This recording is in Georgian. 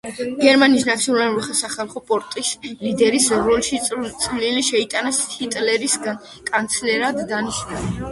გერმანიის ნაციონალური სახალხო პარტიის ლიდერის როლში წვლილი შეიტანა ჰიტლერის კანცლერად დანიშვნაში.